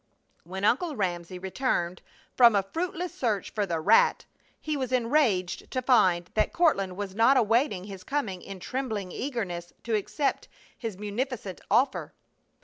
When Uncle Ramsey returned from a fruitless search for the "rat" he was enraged to find that Courtland was not awaiting his coming in trembling eagerness to accept his munificent offer.